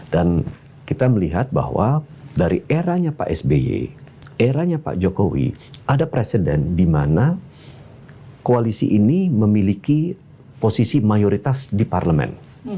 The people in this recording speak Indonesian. dan kita melihat bahwa dari eranya pak sby eranya pak jokowi ada presiden di mana koalisi ini memiliki posisi mayoritas di parlemen